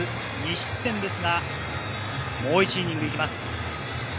２失点ですが、もう１イニング行きます。